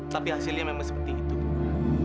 tapi hasilnya memang seperti itu bu